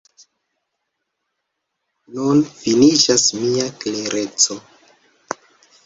Nun finiĝas mia klereco.